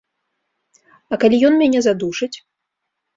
А калі ён мяне задушыць?